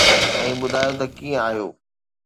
۽ ٻڌايو ته ڪيئن آهيو؟